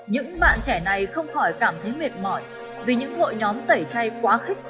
những bạn trẻ này không khỏi cảm thấy mệt mỏi vì những hội nhóm tẩy chay quá khích